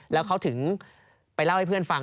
แล้วเขาถึงไปเล่าให้เพื่อนฟัง